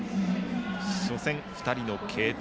初戦、２人の継投。